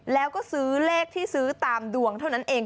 แล้วก็ซื้อเลขที่ซื้อตามดวงเท่านั้นเอง